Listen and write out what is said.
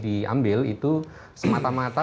diambil itu semata mata